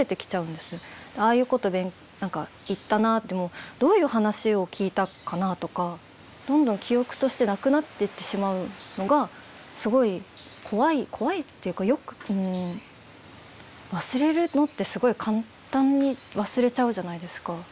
ああいうこと何か行ったなでもどういう話を聞いたかなとかどんどん記憶としてなくなっていってしまうのがすごい怖い怖いっていうかよく忘れるのってすごい簡単に忘れちゃうじゃないですか。